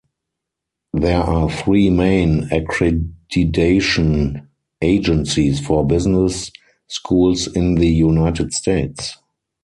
There are three main accreditation agencies for business schools in the United States.